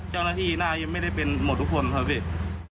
เจ้าหน้าที่น่าจะไม่ได้เป็นหมดทุกคนครับพี่